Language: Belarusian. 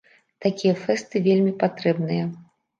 Такія фэсты вельмі патрэбныя.